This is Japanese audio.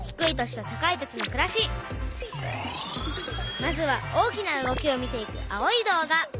まずは大きな動きを見ていく青い動画。